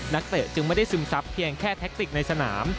นักเตจึงไม่ได้ซึ่งทรัพย์เพียงแค่แทคติกในสนาม